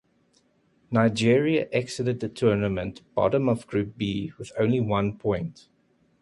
Nigeria exited the tournament bottom of Group B with only one point.